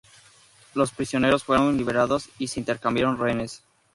Los prisioneros fueron liberados y se intercambiaron rehenes.